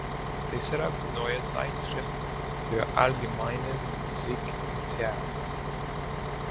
They set up the Neue Zeitschrift für Allgemeine Musik und Theater.